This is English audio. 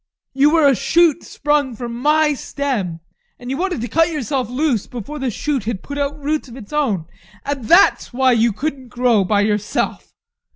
You were a shoot sprung from my stem, and you wanted to cut yourself loose before the shoot had put out roots of its own, and that's why you couldn't grow by yourself.